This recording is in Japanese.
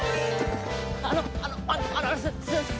あのあのあのすいません。